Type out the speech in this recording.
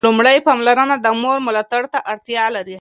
د ماشوم لومړني پاملرنه د مور ملاتړ ته اړتیا لري.